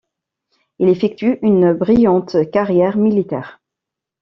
Il effectue une brillante carrière militaire.